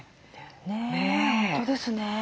本当ですね。